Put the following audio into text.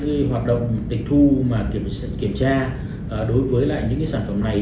qua hoạt động định thu kiểm tra đối với những sản phẩm này